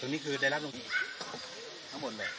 นี่คือได้รับลงทางมา